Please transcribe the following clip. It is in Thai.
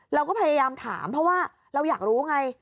เราก็พยายามถามเพราะว่าเราอยากรู้ไง